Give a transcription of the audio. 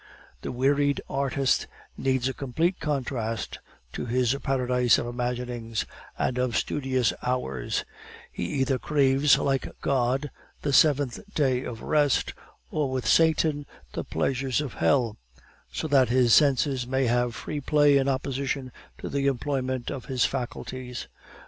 "The wearied artist needs a complete contrast to his paradise of imaginings and of studious hours; he either craves, like God, the seventh day of rest, or with Satan, the pleasures of hell; so that his senses may have free play in opposition to the employment of his faculties.